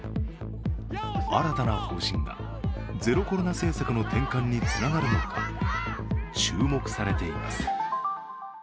新たな方針がゼロコロナ政策の転換につながるのか、注目されています。